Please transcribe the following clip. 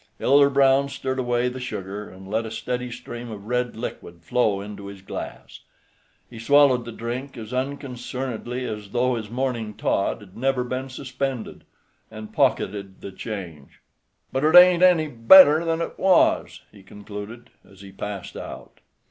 Elder Brown stirred away the sugar, and let a steady stream of red liquid flow into the glass. He swallowed the drink as unconcernedly as though his morning tod had never been suspended, and pocketed the change. "But it ain't any better than it was," he concluded, as he passed out.